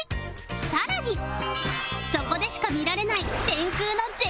更にそこでしか見られない